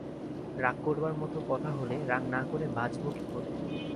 রাগ করবার মতো কথা হলে রাগ না করে বাঁচব কী করে?